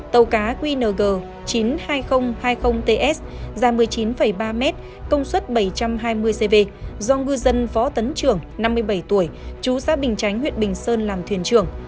tàu cá qng chín mươi hai nghìn hai mươi ts dài một mươi chín ba mét công suất bảy trăm hai mươi cv do ngư dân phó tấn trưởng năm mươi bảy tuổi chú xã bình chánh huyện bình sơn làm thuyền trưởng